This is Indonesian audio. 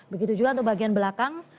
begitu juga untuk bagian belakang